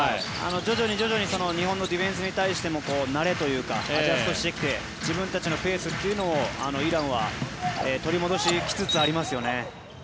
徐々に日本のディフェンスに対しても慣れというかアジャストしてきて自分たちのペースというのをイランは取り戻しつつありますよね。